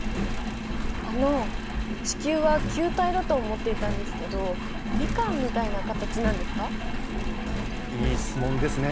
あの地球は球体だと思っていたんですけどミカンみたいな形なんですか？